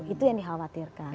itu yang dikhawatirkan